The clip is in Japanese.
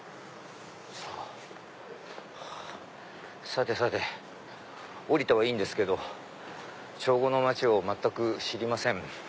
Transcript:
さてさて降りたはいいんですけど長後の町を全く知りません。